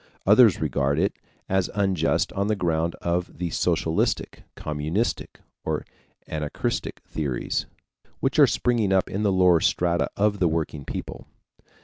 Others regard it as unjust on the ground of the socialistic, communistic, or anarchistic theories, which are springing up in the lower strata of the working people.